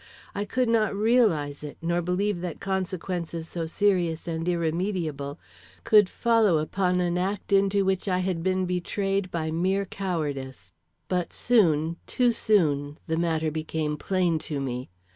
I could not realize it, nor believe that consequences so serious and irremediable could follow upon an act into which I had been betrayed by mere cowardice. But soon, too soon, the matter became plain to me.